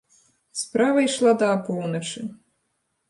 Справа ішла да апоўначы.